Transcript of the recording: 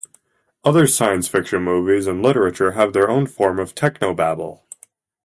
Other science fiction movies and literature have their own form of technobabble.